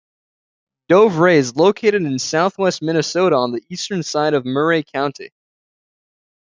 Dovray is located in Southwest Minnesota on the eastern side of Murray County.